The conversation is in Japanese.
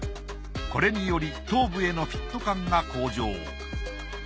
これにより頭部へのフィット感が向上。